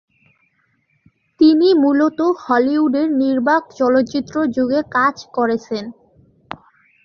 তিনি মূলত হলিউডের নির্বাক চলচ্চিত্র যুগে কাজ করেছেন।